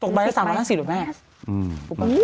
ตกใบได้๓๕๐บาทแม่โอ้โฮ